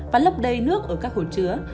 và lấp đầy nước ở các hồ chứa